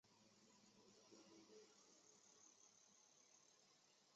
奥库鼠属等之数种哺乳动物。